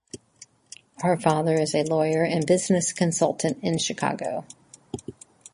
Her father is a lawyer and business consultant in Chicago.